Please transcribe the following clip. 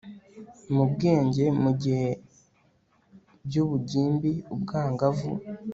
mu bwenge mu gihe by'ubugimbi ubwangavu